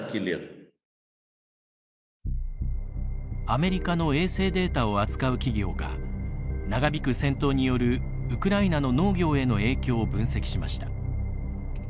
アメリカの衛星データを扱う企業が長引く戦闘によるウクライナの農業への影響を分析しました。